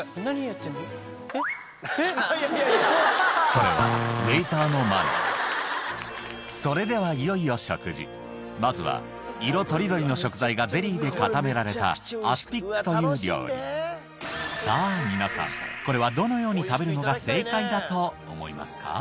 それはそれではいよいよ食事まずは色取り取りの食材がゼリーで固められたアスピックという料理さぁ皆さんこれはどのように食べるのが正解だと思いますか？